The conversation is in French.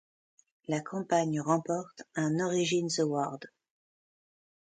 La campagne remporte un Origins Award.